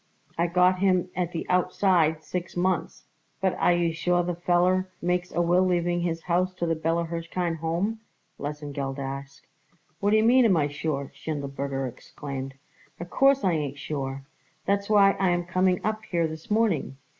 I give him at the outside six months." "But are you sure the feller makes a will leaving his house to the Bella Hirshkind Home?" Lesengeld asked. "What d'ye mean, am I sure?" Schindelberger exclaimed. "Of course I ain't sure. That's why I am coming up here this morning.